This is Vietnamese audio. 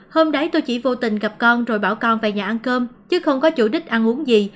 hôm đấy tôi chỉ vô tình gặp con rồi bảo con về nhà ăn cơm chứ không có chủ đích ăn uống gì